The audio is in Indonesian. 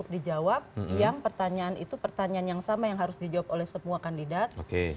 dijawab yang pertanyaan itu pertanyaan yang sama yang harus dijawab oleh semua kandidat